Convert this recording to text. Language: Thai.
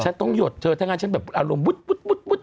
ฉันต้องหยดเธอถ้างั้นฉันแบบอารมณ์วุด